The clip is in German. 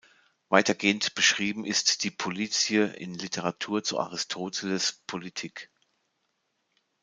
Weitergehend beschrieben ist die Politie in Literatur zu Aristoteles’ "Politik".